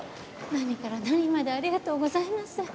何から何までありがとうございます。